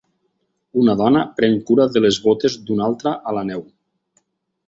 Una dona pren cura de les botes d'una altra a la neu.